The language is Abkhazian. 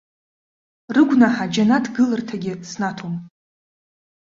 Рыгәнаҳа џьанаҭ гыларҭагьы снаҭом.